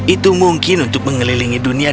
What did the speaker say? itu mungkin untuk mengelilingi dunia